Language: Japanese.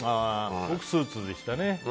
僕、スーツでしたね。